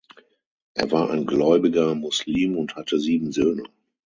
Er war ein gläubiger Muslim und hatte sieben Söhne.